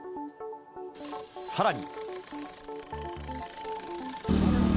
さらに。